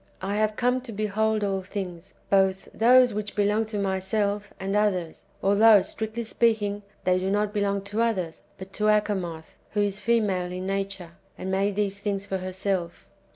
I have come to behold all things, both those which belong to myself 84 IRENJEUS AGAINST HERESIES. [Book i. and others, although, strictl}^ speaking, they do not belong to others, but to Achamoth, who is female in nature, and made these things for herself.